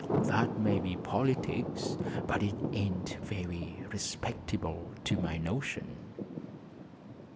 That may be politics, but it ain't very respectable, to my notion."